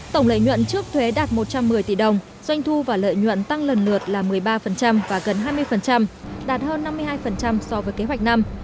tổng lợi nhuận trước thuế đạt một trăm một mươi tỷ đồng doanh thu và lợi nhuận tăng lần lượt là một mươi ba và gần hai mươi đạt hơn năm mươi hai so với kế hoạch năm